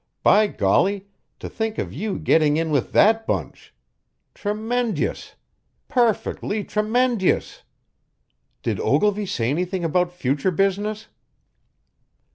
"By golly, to think of you getting in with that bunch! Tremendyous! Per fect ly tree mend yous! Did Ogilvy say anything about future business?"